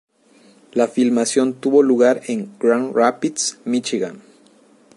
La filmación tuvo lugar en Gran Rapids, Míchigan.